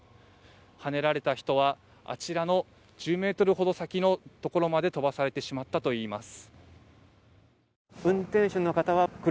はねられた人はあちらの１０ｍほど先のところまで飛ばされてしまったといいます。